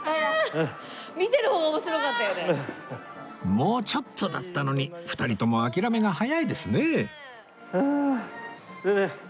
もうちょっとだったのに２人とも諦めが早いですねえ